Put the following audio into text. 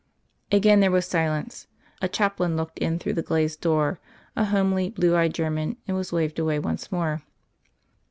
Again there was silence. A chaplain looked in through the glazed door, a homely, blue eyed German, and was waved away once more.